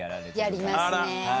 やりますね。